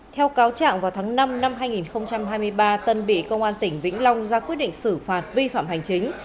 theo cáo trạng vào tháng năm năm hai nghìn hai mươi ba tân bị công an tỉnh vĩnh long ra quyết định xử phạt vi phạm hành chính